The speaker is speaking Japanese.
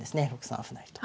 ６三歩成と。